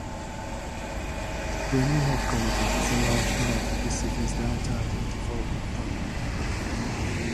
Their new headquarters is a large part of the city's downtown redevelopment project.